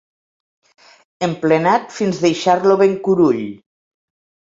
Emplenat fins deixar-lo ben curull.